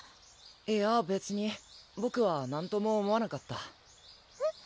いや別にボクはなんとも思わなかったえっ？